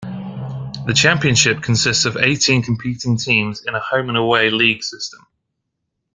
The championship consists of eighteen competing teams in a home and away league system.